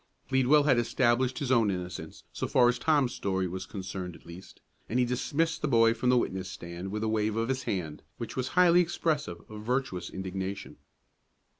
Pleadwell had established his own innocence, so far as Tom's story was concerned at least, and he dismissed the boy from the witness stand with a wave of his hand which was highly expressive of virtuous indignation.